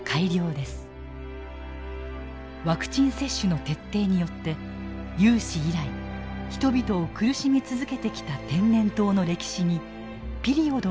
ワクチン接種の徹底によって有史以来人々を苦しめ続けてきた天然痘の歴史にピリオドが打たれました。